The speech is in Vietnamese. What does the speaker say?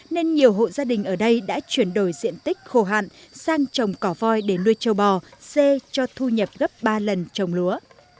nên nhiều hộ gia đình ở đây đã chuyển đổi diện tích khô hạn sang trồng cỏ voi để nuôi trâu bò xê cho thu nhập gấp ba lần trồng lúa